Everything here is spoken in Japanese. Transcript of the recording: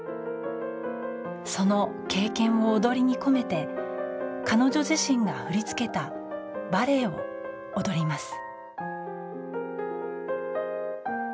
その経験を踊りに込めて彼女自身が振り付けたバレエを踊ります。